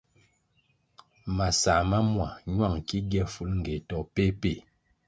Masãh ma mua ñuáng ki gie bifulngéh to péh péh.